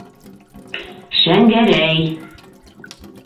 Шәңгәрәй...